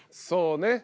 そうね